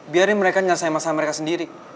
biarin mereka menyelesaikan masalah mereka sendiri